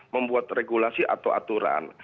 membuat regulasi atau aturan